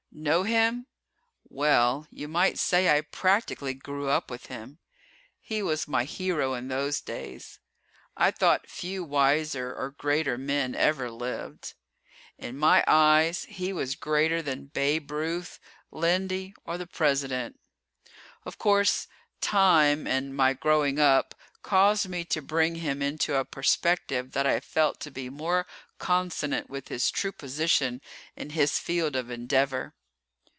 Know him? Well you might say I practically grew up with him. He was my hero in those days. I thought few wiser or greater men ever lived. In my eyes he was greater than Babe Ruth, Lindy, or the President. Of course, time, and my growing up caused me to bring him into a perspective that I felt to be more consonant with his true position in his field of endeavor.